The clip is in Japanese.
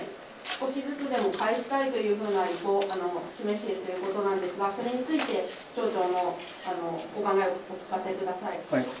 少しずつでも返したいというような意向を示しているということなんですが、それについて、町長のお考えをお聞かせください。